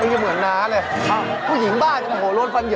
ใครจะเหมือนน้าเลยผู้หญิงบ้านโอ้โฮโลดฟันเหยิน